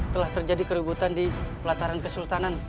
telah terjadi keributan di pelataran kesultanan